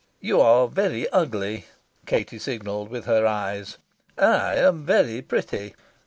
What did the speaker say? "You are very ugly," Katie signalled with her eyes. "I am very pretty.